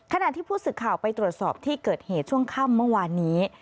ขณะที่ผู้สื่อข่าวไปตรวจสอบที่เกิดเหตุช่วงค่ำเมื่อวานนี้